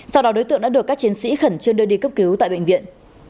sau đó đối tượng đã được các chiến sĩ khẩn trương đưa đi cấp cứu tại bệnh viện